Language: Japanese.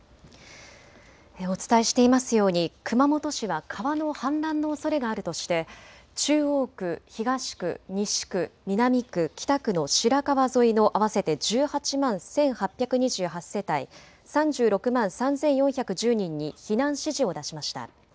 お伝えしていますように熊本市は川の氾濫のおそれがあるとして中央区、東区、西区、南区、北区の白川沿いの合わせて１８万１８２８世帯３６万３４１０人に避難指示を出しました。